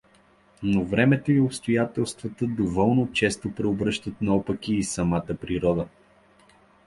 Но времето и обстоятелствата доволно често преобръщат наопаки и самата природа.